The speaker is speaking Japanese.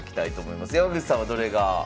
山口さんはどれが？